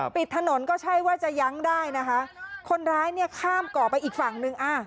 ปิดถนนก็ใช่ว่าจะยั้งได้นะคะคนร้ายเนี่ยข้ามเกาะไปอีกฝั่งหนึ่งอ่า